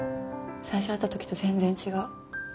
最初会った時と全然違う。